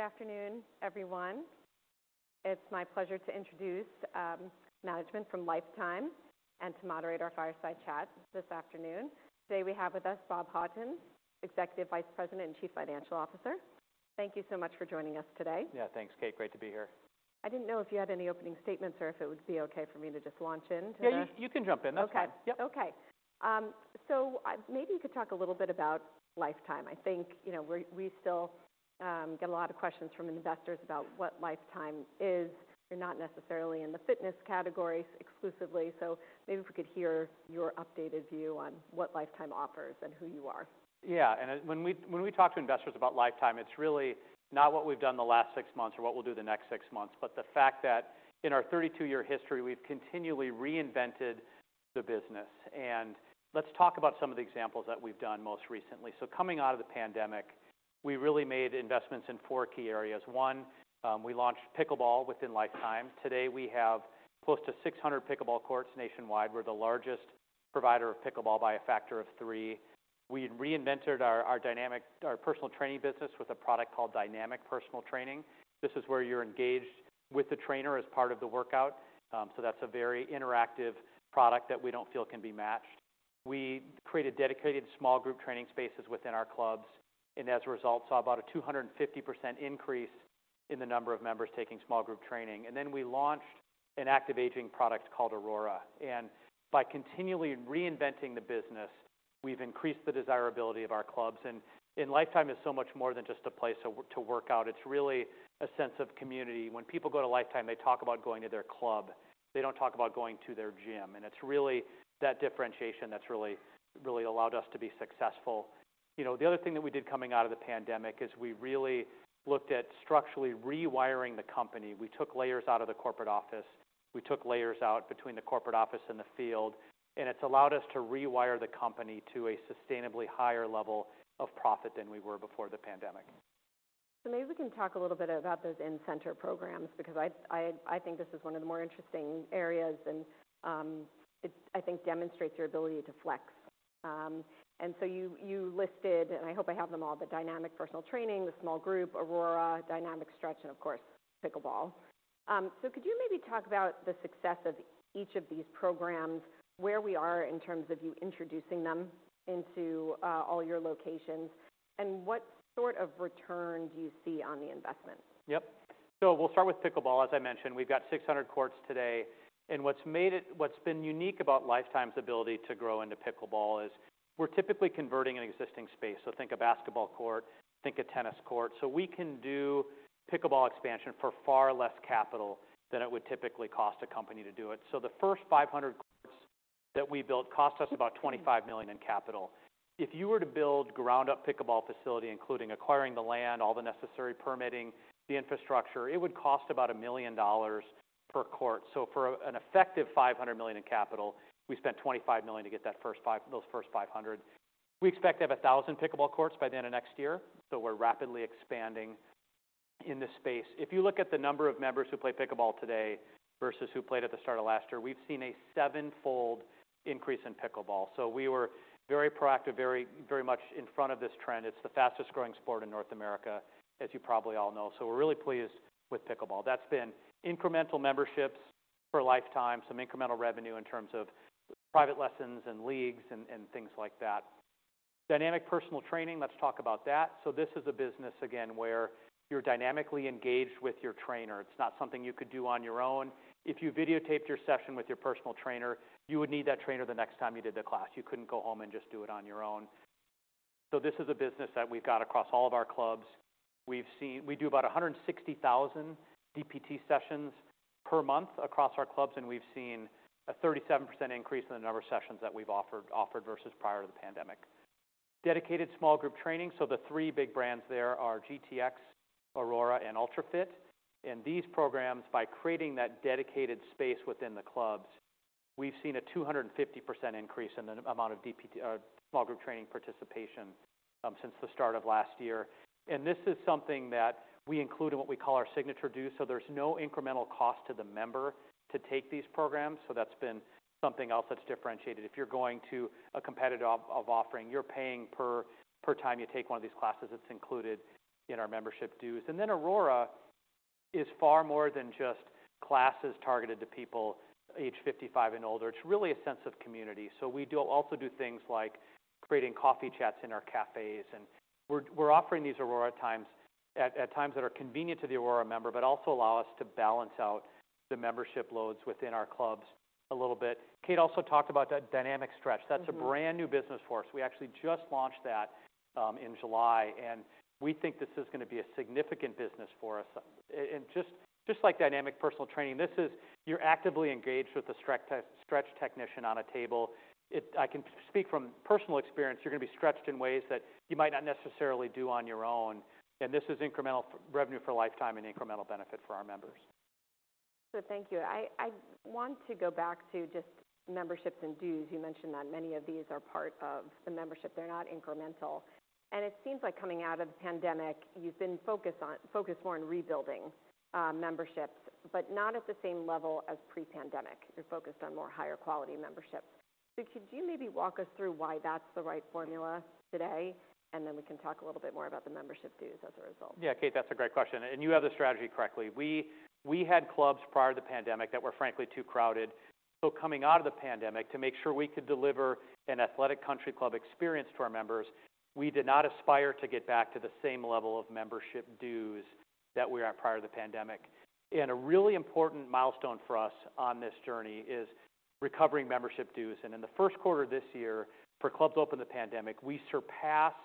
Good afternoon, everyone. It's my pleasure to introduce management from Life Time and to moderate our fireside chat this afternoon. Today, we have with us Bob Houghton, Executive Vice President and Chief Financial Officer. Thank you so much for joining us today. Yeah, thanks, Kate. Great to be here. I didn't know if you had any opening statements or if it would be okay for me to just launch into the- Yeah, you can jump in. That's fine. Okay. Yep. Okay. Maybe you could talk a little bit about Life Time. I think, you know, we still get a lot of questions from investors about what Life Time is. You're not necessarily in the fitness category exclusively, so maybe if we could hear your updated view on what Life Time offers and who you are. Yeah. When we, when we talk to investors about Life Time, it's really not what we've done in the last six months or what we'll do the next six months, but the fact that in our 32-year history, we've continually reinvented the business. Let's talk about some of the examples that we've done most recently. Coming out of the pandemic, we really made investments in 4 key areas. One, we launched pickleball within Life Time. Today, we have close to 600 pickleball courts nationwide. We're the largest provider of pickleball by a factor of 3. We reinvented our dynamic personal training business with a product called Dynamic Personal Training. This is where you're engaged with the trainer as part of the workout, so that's a very interactive product that we don't feel can be matched. We created dedicated small group training spaces within our clubs, and as a result, saw about a 250% increase in the number of members taking small group training. Then we launched an active aging product called Arora. By continually reinventing the business, we've increased the desirability of our clubs. Life Time is so much more than just a place to work out. It's really a sense of community. When people go to Life Time, they talk about going to their club. They don't talk about going to their gym, and it's really that differentiation that's really, really allowed us to be successful. You know, the other thing that we did coming out of the pandemic is we really looked at structurally rewiring the company. We took layers out of the corporate office. We took layers out between the corporate office and the field, and it's allowed us to rewire the company to a sustainably higher level of profit than we were before the pandemic. So maybe we can talk a little bit about those in-center programs, because I think this is one of the more interesting areas and I think demonstrates your ability to flex. And so you listed, and I hope I have them all, the Dynamic Personal Training, the small group, Arora, Dynamic Stretch, and of course, pickleball. So could you maybe talk about the success of each of these programs, where we are in terms of you introducing them into all your locations, and what sort of return do you see on the investment? Yep. So we'll start with pickleball. As I mentioned, we've got 600 courts today, and what's been unique about Life Time's ability to grow into pickleball is we're typically converting an existing space. So think a basketball court, think a tennis court. So we can do pickleball expansion for far less capital than it would typically cost a company to do it. So the first 500 courts that we built cost us about $25 million in capital. If you were to build ground-up pickleball facility, including acquiring the land, all the necessary permitting, the infrastructure, it would cost about $1 million per court. So for an effective $500 million in capital, we spent $25 million to get that first five—those first 500. We expect to have 1,000 pickleball courts by the end of next year, so we're rapidly expanding in this space. If you look at the number of members who play pickleball today versus who played at the start of last year, we've seen a 7-fold increase in pickleball. So we were very proactive, very, very much in front of this trend. It's the fastest-growing sport in North America, as you probably all know. So we're really pleased with pickleball. That's been incremental memberships for Life Time, some incremental revenue in terms of private lessons and leagues and, and things like that. Dynamic Personal Training, let's talk about that. So this is a business, again, where you're dynamically engaged with your trainer. It's not something you could do on your own. If you videotaped your session with your personal trainer, you would need that trainer the next time you did the class. You couldn't go home and just do it on your own. So this is a business that we've got across all of our clubs. We've seen. We do about 160,000 DPT sessions per month across our clubs, and we've seen a 37% increase in the number of sessions that we've offered versus prior to the pandemic. Dedicated small group training, so the three big brands there are GTX, Arora, and Ultra Fit. And these programs, by creating that dedicated space within the clubs, we've seen a 250% increase in the amount of DPT small group training participation since the start of last year. This is something that we include in what we call our Signature dues, so there's no incremental cost to the member to take these programs. That's been something else that's differentiated. If you're going to a competitor offering, you're paying per time you take one of these classes. It's included in our membership dues. Arora is far more than just classes targeted to people age 55 and older. It's really a sense of community. We also do things like creating coffee chats in our cafes, and we're offering these Arora times at times that are convenient to the Arora member, but also allow us to balance out the membership loads within our clubs a little bit. Kate also talked about that Dynamic Stretch. Mm-hmm. That's a brand-new business for us. We actually just launched that in July, and we think this is gonna be a significant business for us. And just like Dynamic Personal Training, this is... You're actively engaged with a stretch technician on a table. It—I can speak from personal experience, you're gonna be stretched in ways that you might not necessarily do on your own, and this is incremental revenue for Life Time and incremental benefit for our members. So thank you. I, I want to go back to just memberships and dues. You mentioned that many of these are part of the membership. They're not incremental, and it seems like coming out of the pandemic, you've been focused on—focused more on rebuilding memberships, but not at the same level as pre-pandemic. You're focused on more higher-quality memberships. So could you maybe walk us through why that's the right formula today? And then we can talk a little bit more about the membership dues as a result. Yeah, Kate, that's a great question, and you have the strategy correctly. We had clubs prior to the pandemic that were frankly too crowded. So coming out of the pandemic, to make sure we could deliver an athletic country club experience to our members, we did not aspire to get back to the same level of membership dues that we were at prior to the pandemic. A really important milestone for us on this journey is recovering membership dues. In the first quarter this year, for clubs open in the pandemic, we surpassed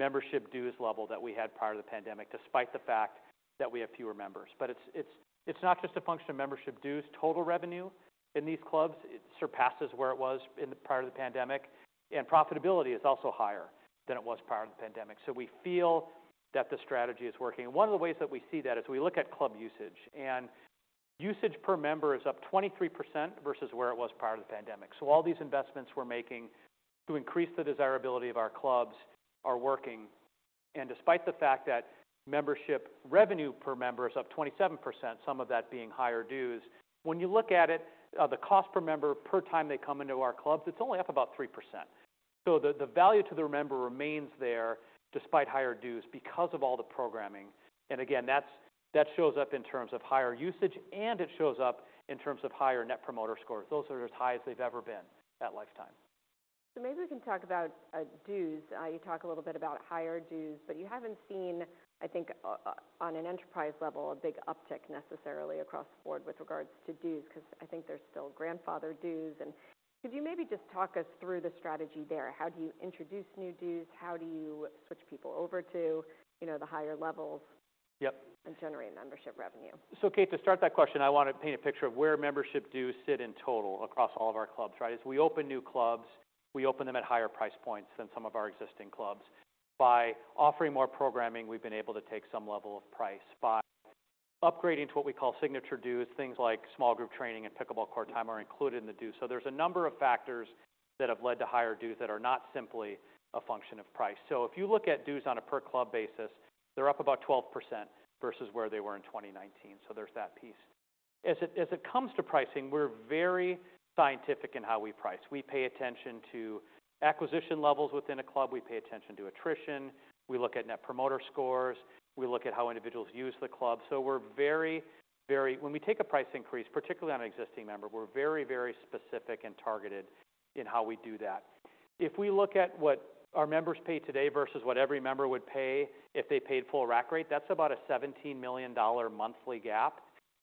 membership dues level that we had prior to the pandemic, despite the fact that we have fewer members. But it's not just a function of membership dues, total revenue in these clubs, it surpasses where it was prior to the pandemic, and profitability is also higher than it was prior to the pandemic. So we feel that the strategy is working. One of the ways that we see that is we look at club usage, and usage per member is up 23% versus where it was prior to the pandemic. So all these investments we're making to increase the desirability of our clubs are working. And despite the fact that membership revenue per member is up 27%, some of that being higher dues, when you look at it, the cost per member per time they come into our clubs, it's only up about 3%. So the value to the member remains there despite higher dues because of all the programming. And again, that shows up in terms of higher usage, and it shows up in terms of higher Net Promoter Scores. Those are as high as they've ever been at Life Time. Maybe we can talk about dues. You talk a little bit about higher dues, but you haven't seen, I think, on an enterprise level, a big uptick necessarily across the board with regards to dues, because I think there's still grandfathered dues. Could you maybe just talk us through the strategy there? How do you introduce new dues? How do you switch people over to, you know, the higher levels- Yep. - and generate membership revenue? So, Kate, to start that question, I want to paint a picture of where membership dues sit in total across all of our clubs, right? As we open new clubs, we open them at higher price points than some of our existing clubs. By offering more programming, we've been able to take some level of price by upgrading to what we call signature dues. Things like small group training and pickleball court time are included in the dues. So there's a number of factors that have led to higher dues that are not simply a function of price. So if you look at dues on a per club basis, they're up about 12% versus where they were in 2019. So there's that piece. As it comes to pricing, we're very scientific in how we price. We pay attention to acquisition levels within a club, we pay attention to attrition, we look at net promoter scores, we look at how individuals use the club. So we're very, very—when we take a price increase, particularly on an existing member, we're very, very specific and targeted in how we do that. If we look at what our members pay today versus what every member would pay if they paid full rack rate, that's about a $17 million monthly gap,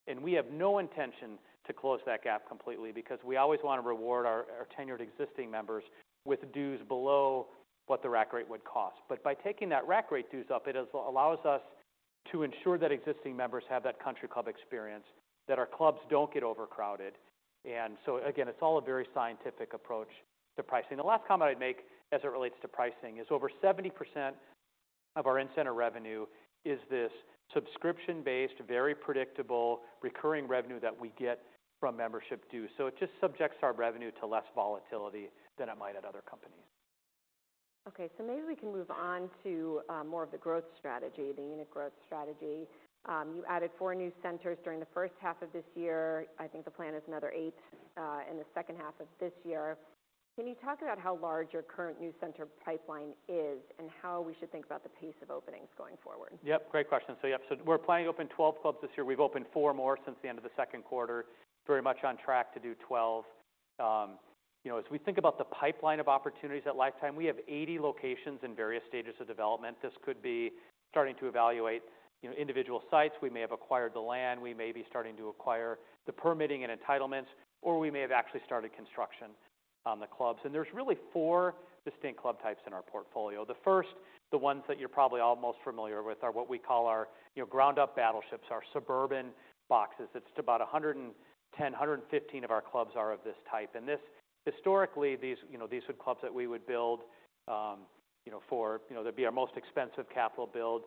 and we have no intention to close that gap completely, because we always want to reward our tenured existing members with dues below what the rack rate would cost. But by taking that rack rate dues up, it allows us to ensure that existing members have that country club experience, that our clubs don't get overcrowded. And so again, it's all a very scientific approach to pricing. The last comment I'd make as it relates to pricing is over 70% of our in-center revenue is this subscription-based, very predictable, recurring revenue that we get from membership dues. So it just subjects our revenue to less volatility than it might at other companies. Okay, so maybe we can move on to more of the growth strategy, the unit growth strategy. You added 4 new centers during the first half of this year. I think the plan is another 8 in the second half of this year. Can you talk about how large your current new center pipeline is and how we should think about the pace of openings going forward? Yep, great question. So yep, so we're planning to open 12 clubs this year. We've opened 4 more since the end of the second quarter, very much on track to do 12. You know, as we think about the pipeline of opportunities at Life Time, we have 80 locations in various stages of development. This could be starting to evaluate individual sites. We may have acquired the land, we may be starting to acquire the permitting and entitlements, or we may have actually started construction on the clubs. And there's really 4 distinct club types in our portfolio. The first, the ones that you're probably all most familiar with, are what we call our ground up battleships, our suburban boxes. It's about 110-115 of our clubs are of this type. This—historically, these, you know, these were clubs that we would build, you know, for... You know, they'd be our most expensive capital build.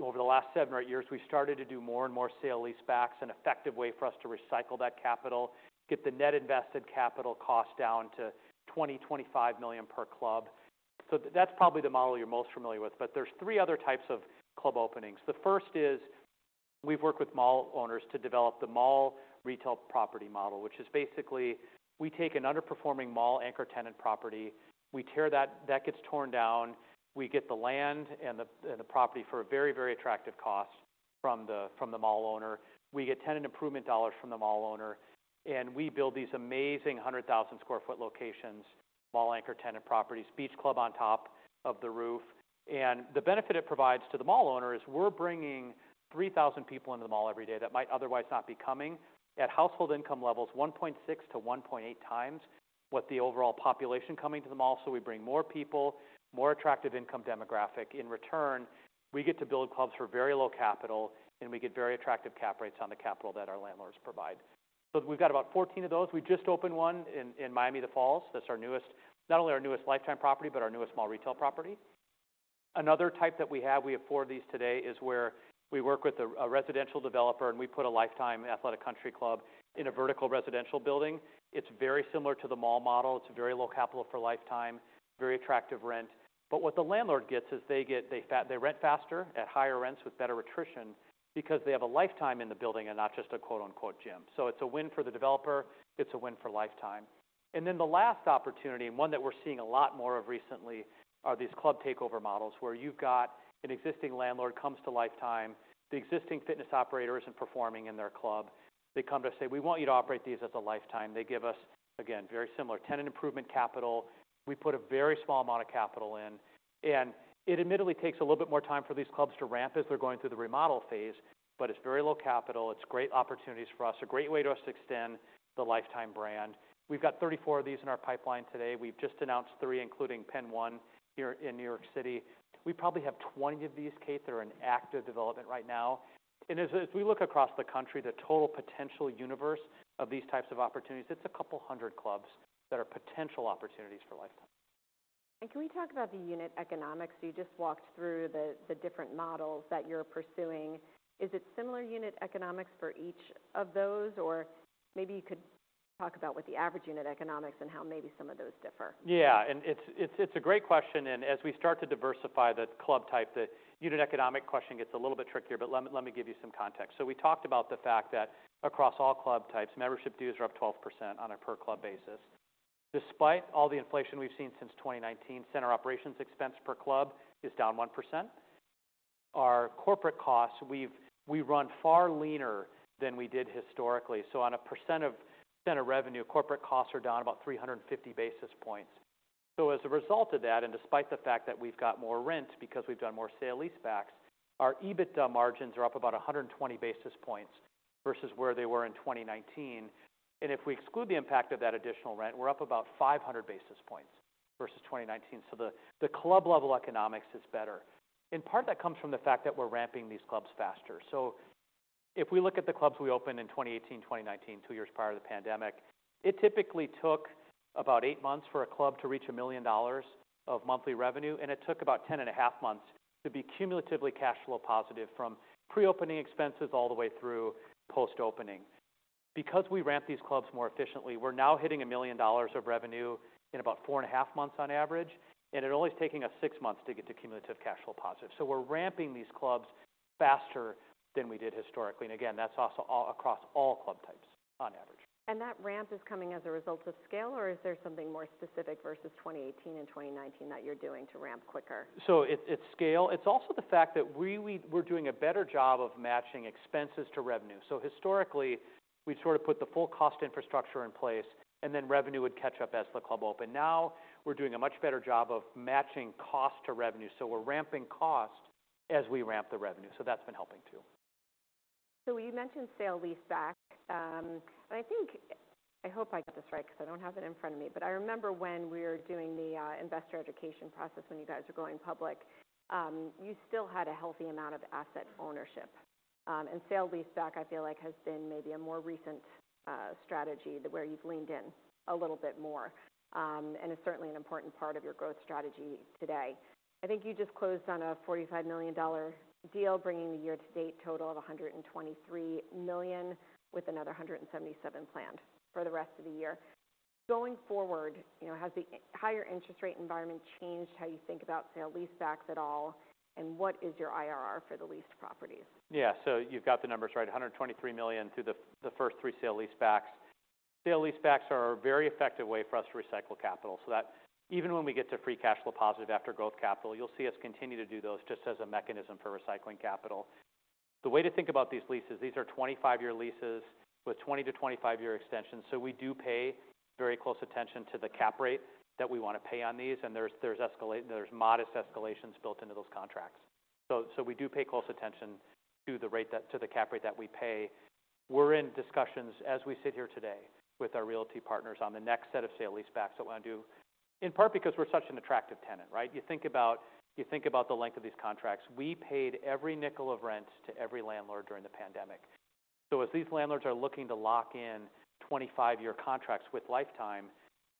Over the last 7 or 8 years, we started to do more and more sale-leasebacks, an effective way for us to recycle that capital, get the net invested capital cost down to $20-$25 million per club. So that's probably the model you're most familiar with, but there's three other types of club openings. The first is, we've worked with mall owners to develop the mall retail property model, which is basically, we take an underperforming mall anchor tenant property. We tear that—that gets torn down. We get the land and the, and the property for a very, very attractive cost from the, from the mall owner. We get tenant improvement dollars from the mall owner, and we build these amazing 100,000 sq ft locations, mall anchor tenant properties, beach club on top of the roof. And the benefit it provides to the mall owner is we're bringing 3,000 people into the mall every day that might otherwise not be coming, at household income levels 1.6-1.8x what the overall population coming to the mall. So we bring more people, more attractive income demographic. In return, we get to build clubs for very low capital, and we get very attractive cap rates on the capital that our landlords provide. So we've got about 14 of those. We just opened one in Miami, The Falls. That's our newest, not only our newest Life Time property, but our newest mall retail property.... Another type that we have, we have 4 of these today, is where we work with a residential developer, and we put a Life Time Athletic Country Club in a vertical residential building. It's very similar to the mall model. It's very low capital for Life Time, very attractive rent. But what the landlord gets is they get they rent faster at higher rents with better attrition because they have a Life Time in the building and not just a quote, unquote, gym. So it's a win for the developer, it's a win for Life Time. And then the last opportunity, and one that we're seeing a lot more of recently, are these club takeover models, where you've got an existing landlord comes to Life Time. The existing fitness operator isn't performing in their club. They come to us say, "We want you to operate these as a Life Time." They give us, again, very similar tenant improvement capital. We put a very small amount of capital in, and it admittedly takes a little bit more time for these clubs to ramp as they're going through the remodel phase, but it's very low capital. It's great opportunities for us, a great way to us to extend the Life Time brand. We've got 34 of these in our pipeline today. We've just announced three, including Penn 1, here in New York City. We probably have 20 of these, Kate, that are in active development right now. And as we look across the country, the total potential universe of these types of opportunities, it's a couple hundred clubs that are potential opportunities for Life Time. Can we talk about the unit economics? You just walked through the different models that you're pursuing. Is it similar unit economics for each of those? Or maybe you could talk about what the average unit economics and how maybe some of those differ. Yeah, and it's a great question, and as we start to diversify the club type, the unit economic question gets a little bit trickier, but let me give you some context. So we talked about the fact that across all club types, membership dues are up 12% on a per-club basis. Despite all the inflation we've seen since 2019, center operations expense per club is down 1%. Our corporate costs, we run far leaner than we did historically. So on a percent of center revenue, corporate costs are down about 350 basis points. So as a result of that, and despite the fact that we've got more rent because we've done more sale-leasebacks, our EBITDA margins are up about 120 basis points versus where they were in 2019. If we exclude the impact of that additional rent, we're up about 500 basis points versus 2019. So the club-level economics is better. In part, that comes from the fact that we're ramping these clubs faster. So if we look at the clubs we opened in 2018, 2019, 2 years prior to the pandemic, it typically took about 8 months for a club to reach $1 million of monthly revenue, and it took about 10.5 months to be cumulatively cash flow positive from pre-opening expenses all the way through post-opening. Because we ramp these clubs more efficiently, we're now hitting $1 million of revenue in about 4.5 months on average, and it only taking us 6 months to get to cumulative cash flow positive. So we're ramping these clubs faster than we did historically. Again, that's also across all club types on average. That ramp is coming as a result of scale, or is there something more specific versus 2018 and 2019 that you're doing to ramp quicker? So it's scale. It's also the fact that we're doing a better job of matching expenses to revenue. So historically, we sort of put the full cost infrastructure in place, and then revenue would catch up as the club opened. Now, we're doing a much better job of matching cost to revenue, so we're ramping cost as we ramp the revenue. So that's been helping too. So you mentioned sale-leaseback. And I think, I hope I get this right because I don't have it in front of me, but I remember when we were doing the investor education process when you guys were going public, you still had a healthy amount of asset ownership. And sale-leaseback, I feel like, has been maybe a more recent strategy where you've leaned in a little bit more, and it's certainly an important part of your growth strategy today. I think you just closed on a $45 million deal, bringing the year-to-date total of $123 million, with another $177 million planned for the rest of the year. Going forward, you know, has the higher interest rate environment changed how you think about sale-leasebacks at all, and what is your IRR for the leased properties? Yeah. So you've got the numbers right, $123 million through the first three sale-leasebacks. Sale-leasebacks are a very effective way for us to recycle capital, so that even when we get to free cash flow positive after growth capital, you'll see us continue to do those just as a mechanism for recycling capital. The way to think about these leases, these are 25-year leases with 20- to 25-year extensions. So we do pay very close attention to the cap rate that we want to pay on these, and there's modest escalations built into those contracts. So we do pay close attention to the cap rate that we pay. We're in discussions, as we sit here today, with our realty partners on the next set of sale-leasebacks that we want to do, in part because we're such an attractive tenant, right? You think about, you think about the length of these contracts. We paid every nickel of rent to every landlord during the pandemic. So as these landlords are looking to lock in 25-year contracts with Life Time,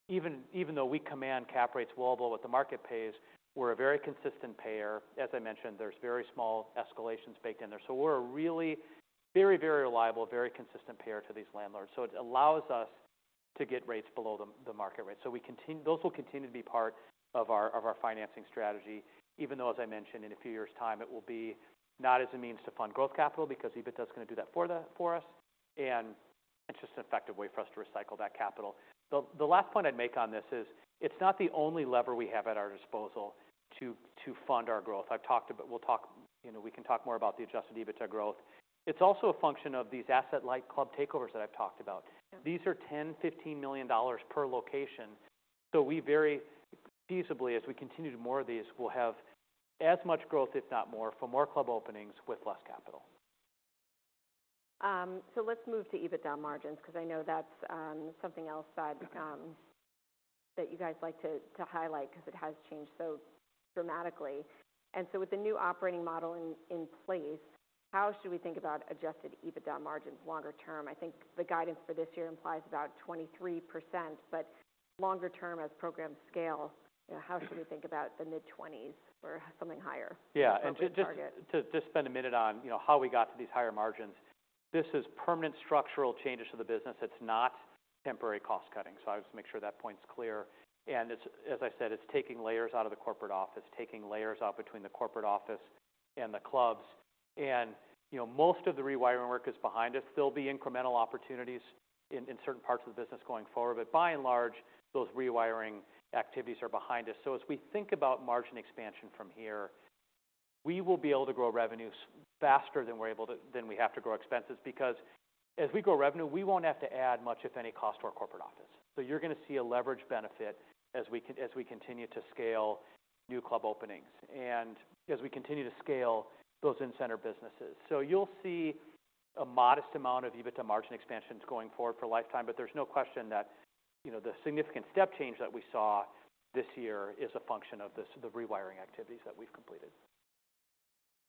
even, even though we command cap rates well below what the market pays, we're a very consistent payer. As I mentioned, there's very small escalations baked in there. So we're a really very, very reliable, very consistent payer to these landlords. So it allows us to get rates below the, the market rate. So we continue, those will continue to be part of our financing strategy, even though, as I mentioned, in a few years' time, it will be not as a means to fund growth capital, because EBITDA is going to do that for us, and it's just an effective way for us to recycle that capital. The last point I'd make on this is, it's not the only lever we have at our disposal to fund our growth. I've talked about... We'll talk, you know, we can talk more about the adjusted EBITDA growth. It's also a function of these asset-light club takeovers that I've talked about. Yeah. These are $10-$15 million per location. So we very feasibly, as we continue to more of these, will have as much growth, if not more, for more club openings with less capital. So let's move to EBITDA margins, because I know that's something else that you guys like to highlight because it has changed so dramatically. And so with the new operating model in place, how should we think about adjusted EBITDA margins longer term? I think the guidance for this year implies about 23%, but longer term, as programs scale, you know, how should we think about the mid-twenties or something higher? Yeah. As the target. And just to spend a minute on, you know, how we got to these higher margins. This is permanent structural changes to the business. It's not temporary cost cutting. So I just make sure that point is clear. And as I said, it's taking layers out of the corporate office, taking layers out between the corporate office and the clubs. And, you know, most of the rewiring work is behind us. There'll be incremental opportunities in certain parts of the business going forward, but by and large, those rewiring activities are behind us. So as we think about margin expansion from here, we will be able to grow revenues faster than we have to grow expenses. Because as we grow revenue, we won't have to add much, if any, cost to our corporate office. You're going to see a leverage benefit as we continue to scale new club openings, and as we continue to scale those in-center businesses. So you'll see a modest amount of EBITDA margin expansions going forward for Life Time, but there's no question that, you know, the significant step change that we saw this year is a function of this, the rewiring activities that we've completed.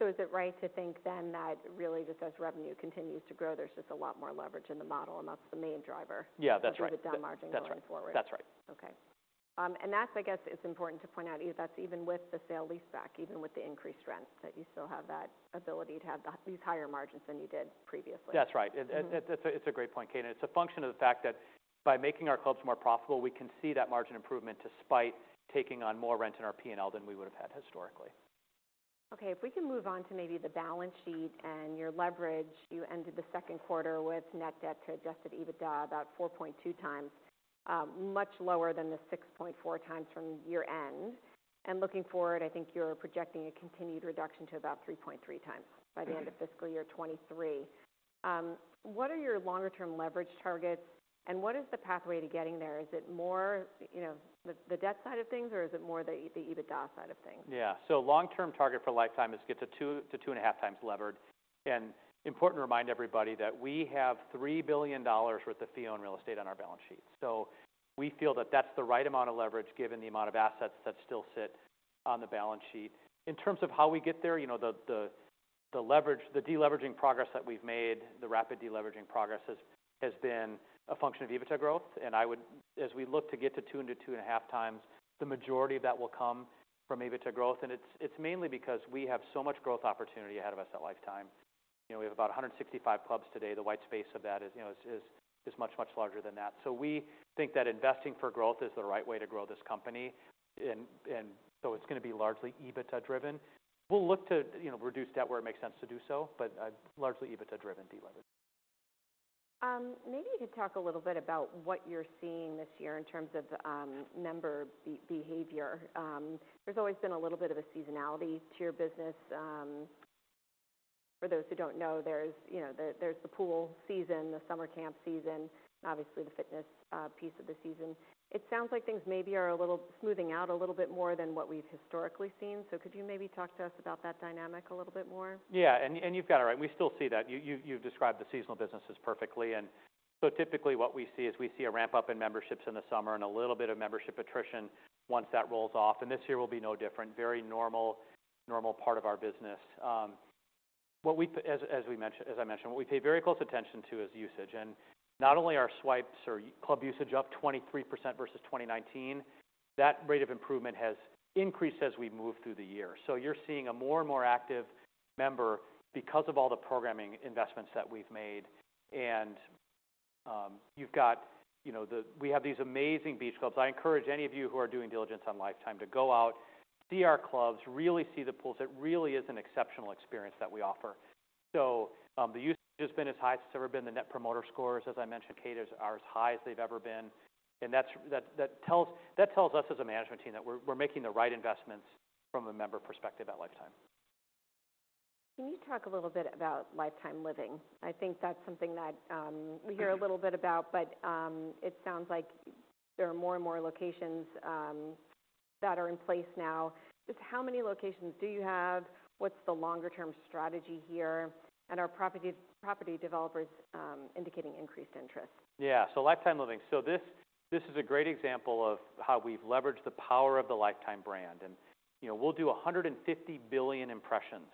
Is it right to think then that really just as revenue continues to grow, there's just a lot more leverage in the model, and that's the main driver? Yeah, that's right. The margin going forward. That's right. Okay. And that's, I guess, it's important to point out, that's even with the sale-leaseback, even with the increased rent, that you still have that ability to have these higher margins than you did previously. That's right. And it's a great point, Kate, and it's a function of the fact that by making our clubs more profitable, we can see that margin improvement despite taking on more rent in our P&L than we would have had historically. Okay, if we can move on to maybe the balance sheet and your leverage. You ended the second quarter with net debt to Adjusted EBITDA about 4.2x, much lower than the 6.4x from year-end. Looking forward, I think you're projecting a continued reduction to about 3.3x- Mm-hmm. by the end of fiscal year 2023. What are your longer-term leverage targets, and what is the pathway to getting there? Is it more, you know, the debt side of things, or is it more the EBITDA side of things? Yeah. So long-term target for Life Time is get to 2-2.5x levered. And important to remind everybody that we have $3 billion worth of fee-owned real estate on our balance sheet. So we feel that that's the right amount of leverage given the amount of assets that still sit on the balance sheet. In terms of how we get there, you know, the leverage, the deleveraging progress that we've made, the rapid deleveraging progress has been a function of EBITDA growth. And I would as we look to get to 2-2.5x, the majority of that will come from EBITDA growth, and it's mainly because we have so much growth opportunity ahead of us at Life Time. You know, we have about 165 clubs today. The white space of that is, you know, much, much larger than that. So we think that investing for growth is the right way to grow this company, and so it's going to be largely EBITDA driven. We'll look to, you know, reduce debt where it makes sense to do so, but largely EBITDA-driven deleverage. Maybe you could talk a little bit about what you're seeing this year in terms of member behavior. There's always been a little bit of a seasonality to your business. For those who don't know, there's, you know, there's the pool season, the summer camp season, and obviously the fitness piece of the season. It sounds like things maybe are a little smoothing out a little bit more than what we've historically seen. So could you maybe talk to us about that dynamic a little bit more? Yeah, you've got it right. We still see that. You've described the seasonal businesses perfectly. So typically what we see is we see a ramp-up in memberships in the summer and a little bit of membership attrition once that rolls off, and this year will be no different. Very normal, normal part of our business. As we mentioned, as I mentioned, what we pay very close attention to is usage. And not only are swipes or club usage up 23% versus 2019, that rate of improvement has increased as we move through the year. So you're seeing a more and more active member because of all the programming investments that we've made. And you've got, you know, the, we have these amazing beach clubs. I encourage any of you who are doing diligence on Life Time to go out, see our clubs, really see the pools. It really is an exceptional experience that we offer. So, the usage has been as high as it's ever been. The Net Promoter Scores, as I mentioned, Kate, are as high as they've ever been, and that tells us as a management team that we're making the right investments from a member perspective at Life Time. Can you talk a little bit about Life Time Living? I think that's something that, we hear a little bit about, but, it sounds like there are more and more locations, that are in place now. Just how many locations do you have? What's the longer-term strategy here? And are property, property developers, indicating increased interest? Yeah. So Life Time Living. So this, this is a great example of how we've leveraged the power of the Life Time brand. And, you know, we'll do 150 billion impressions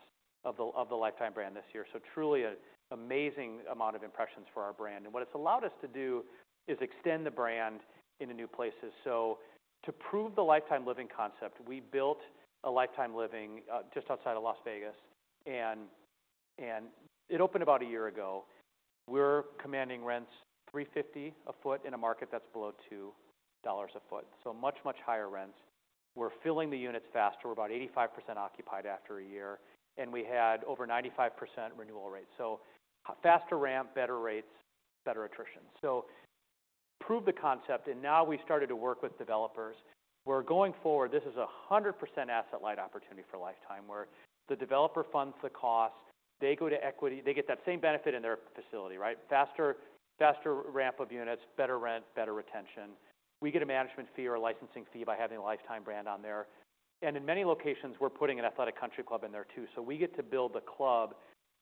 of the Life Time brand this year. So truly an amazing amount of impressions for our brand. And what it's allowed us to do is extend the brand into new places. So to prove the Life Time Living concept, we built a Life Time Living just outside of Las Vegas, and it opened about a year ago. We're commanding rents $3.50 a sq ft in a market that's below $2 a sq ft. So much, much higher rents. We're filling the units faster. We're about 85% occupied after a year, and we had over 95% renewal rate. So faster ramp, better rates, better attrition. So prove the concept, and now we started to work with developers, where going forward, this is a 100% asset light opportunity for Life Time, where the developer funds the cost, they go to equity, they get that same benefit in their facility, right? Faster, faster ramp of units, better rent, better retention. We get a management fee or a licensing fee by having a Life Time brand on there. And in many locations, we're putting an athletic country club in there, too. So we get to build the club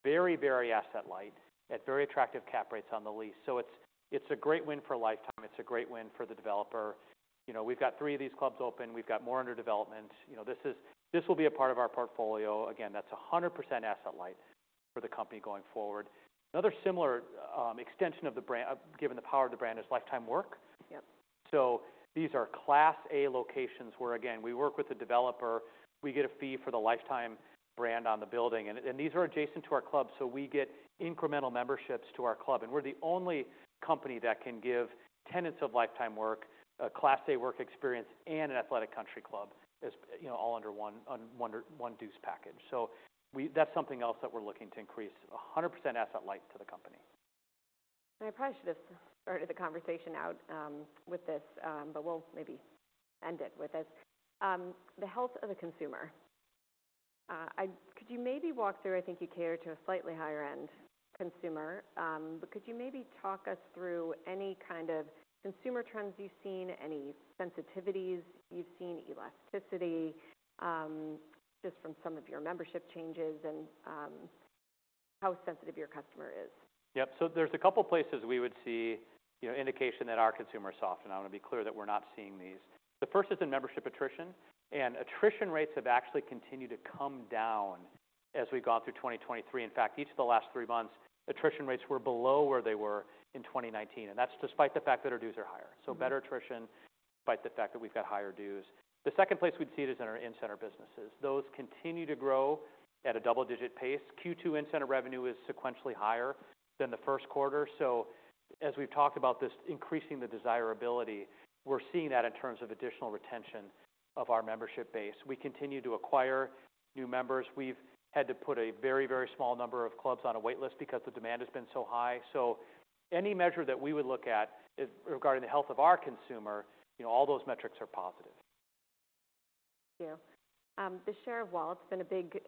very, very asset light at very attractive cap rates on the lease. So it's, it's a great win for Life Time. It's a great win for the developer. You know, we've got three of these clubs open. We've got more under development. You know, this is, this will be a part of our portfolio. Again, that's 100% asset light for the company going forward. Another similar extension of the brand, given the power of the brand, is Life Time Work. Yep.... So these are Class A locations, where again, we work with the developer, we get a fee for the Life Time brand on the building, and these are adjacent to our clubs, so we get incremental memberships to our club. And we're the only company that can give tenants of Life Time Work a Class A work experience, and an athletic country club, as, you know, all under one, under one dues package. So we—that's something else that we're looking to increase. 100% asset light to the company. I probably should have started the conversation out with this, but we'll maybe end it with this. The health of the consumer. Could you maybe walk through, I think you cater to a slightly higher end consumer, but could you maybe talk us through any kind of consumer trends you've seen, any sensitivities you've seen, elasticity, just from some of your membership changes and how sensitive your customer is? Yep. So there's a couple places we would see, you know, indication that our consumer is soft, and I want to be clear that we're not seeing these. The first is in membership attrition, and attrition rates have actually continued to come down as we've gone through 2023. In fact, each of the last three months, attrition rates were below where they were in 2019, and that's despite the fact that our dues are higher. So better attrition, despite the fact that we've got higher dues. The second place we'd see it is in our in-center businesses. Those continue to grow at a double-digit pace. Q2 in-center revenue is sequentially higher than the first quarter. So as we've talked about this, increasing the desirability, we're seeing that in terms of additional retention of our membership base. We continue to acquire new members. We've had to put a very, very small number of clubs on a wait list because the demand has been so high. So any measure that we would look at is regarding the health of our consumer, you know, all those metrics are positive. Thank you. The share of wallet has been a big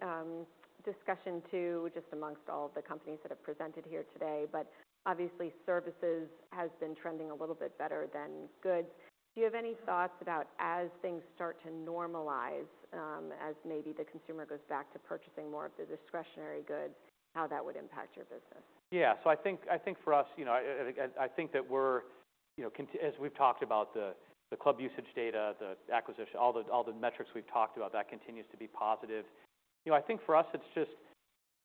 discussion too, just among all of the companies that have presented here today, but obviously, services has been trending a little bit better than goods. Do you have any thoughts about as things start to normalize, as maybe the consumer goes back to purchasing more of the discretionary goods, how that would impact your business? Yeah. So I think for us, you know, I think that we're, you know, as we've talked about the club usage data, the acquisition, all the metrics we've talked about, that continues to be positive. You know, I think for us, it's just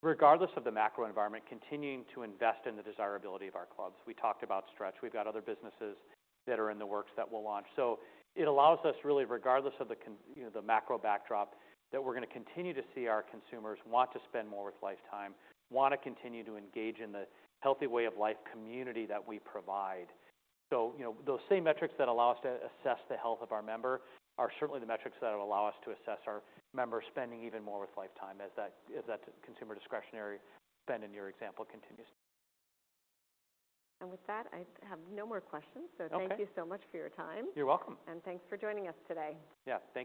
regardless of the macro environment, continuing to invest in the desirability of our clubs. We talked about Stretch. We've got other businesses that are in the works that we'll launch. So it allows us really, regardless of the context, you know, the macro backdrop, that we're gonna continue to see our consumers want to spend more with Life Time, want to continue to engage in the healthy way of life community that we provide. So, you know, those same metrics that allow us to assess the health of our member are certainly the metrics that allow us to assess our members spending even more with Life Time as that consumer discretionary spend in your example continues. With that, I have no more questions. Okay. Thank you so much for your time. You're welcome. Thanks for joining us today. Yeah. Thank you.